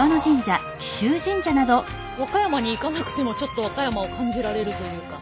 和歌山に行かなくてもちょっと和歌山を感じられるというか。